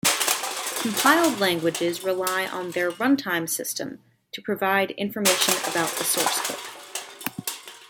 Compiled languages rely on their runtime system to provide information about the source code.